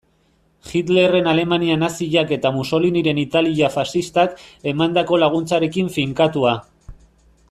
Hitlerren Alemania naziak eta Mussoliniren Italia faxistak emandako laguntzarekin finkatua.